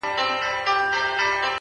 o زما گراني مهرباني گلي ،